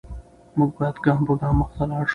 موږ باید ګام په ګام مخته لاړ شو.